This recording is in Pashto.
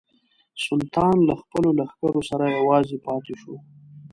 سلطان له خپلو لښکرو سره یوازې پاته شو.